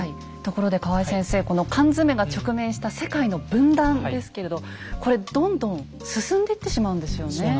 ところで河合先生この缶詰が直面した世界の分断ですけれどこれどんどん進んでいってしまうんですよね？